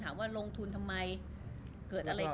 รูปนั้นผมก็เป็นคนถ่ายเองเคลียร์กับเรา